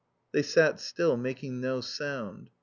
They sat still, making no sound.